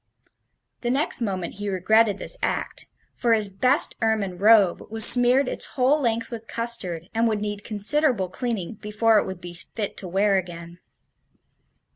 The next moment he regretted this act, for his best ermine robe was smeared its whole length with custard, and would need considerable cleaning before it would be fit to wear again.